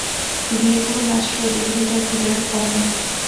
বিয়ে কোন রাষ্ট্রদ্রোহিতা ভিতরে পড়ে না।